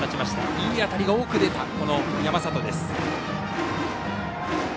いい当たりが多く出た山里。